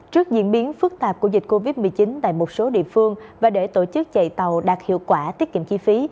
trước diễn biến phức tạp của dịch covid một mươi chín tại một số địa phương và để tổ chức chạy tàu đạt hiệu quả tiết kiệm chi phí